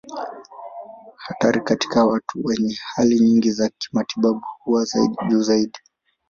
Hatari katika watu wenye hali nyingi za kimatibabu huwa juu zaidi.